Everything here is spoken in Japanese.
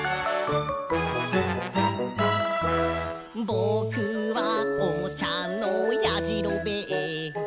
「ぼくはおもちゃのやじろべえ」